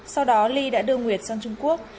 sau đó ly đã đưa nguyệt sang trung quốc